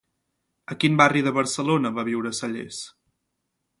A quin barri de Barcelona va viure Sallés?